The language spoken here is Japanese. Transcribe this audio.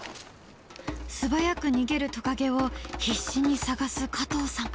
すばやく逃げるトカゲを必死に探す加藤さん。